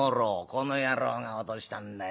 この野郎が落としたんだよ。